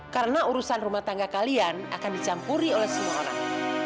karena urusan rumah tangga kalian akan dicampuri oleh semua orang